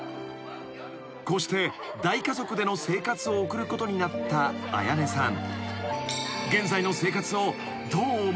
［こうして大家族での生活を送ることになった彩音さん］